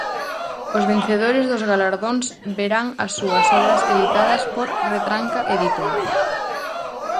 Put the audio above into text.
Os vencedores dos galardóns verán as súas obras editadas por Retranca Editora.